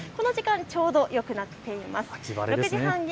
この時間、ちょうどよくなっています。